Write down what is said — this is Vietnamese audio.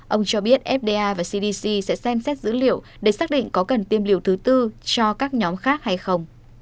ông cho biết fda và cdc sẽ xem xét dữ liệu để xác định có cần tiêm liều thứ tư cho các nhóm khác hay không